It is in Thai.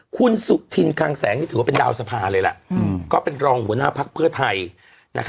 คุณสุธินคังแสงนี่ถือว่าเป็นดาวสภาเลยล่ะก็เป็นรองหัวหน้าภักดิ์เพื่อไทย